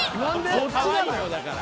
こっちなのよだから。